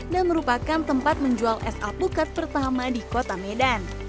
dan merupakan tempat menjual es alpukat pertama di kota medan